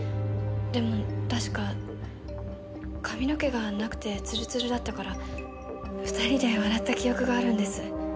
でも確か髪の毛がなくてつるつるだったから２人で笑った記憶があるんです。